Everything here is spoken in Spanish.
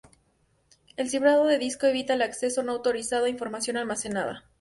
El cifrado de disco evita el acceso no autorizado a información almacenada.